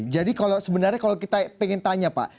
jadi sebenarnya kalau kita ingin tanya pak